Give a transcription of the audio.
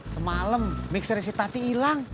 semalem mixer si tati ilang